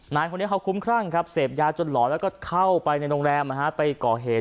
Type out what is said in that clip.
นายคนนี้เขาคุ้มครั่งครับเสพยาจนหลอนแล้วก็เข้าไปในโรงแรมไปก่อเหตุ